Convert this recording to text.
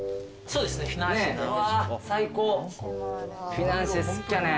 フィナンシェ好きやねん。